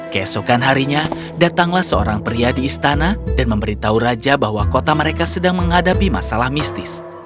keesokan harinya datanglah seorang pria di istana dan memberitahu raja bahwa kota mereka sedang menghadapi masalah mistis